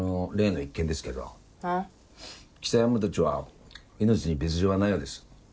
象山たちは命に別状はないようです。